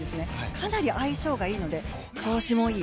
かなり相性がいいので調子もいい。